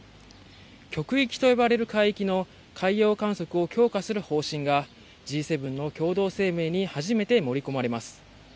極域と呼ばれる海域の海洋観測を強化する方針がＧ７の共同声明に初めて盛り込まれます。